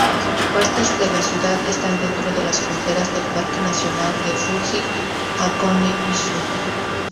Partes de la ciudad están dentro de las fronteras del Parque nacional de Fuji-Hakone-Izu.